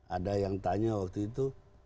ada yang tanya waktu itu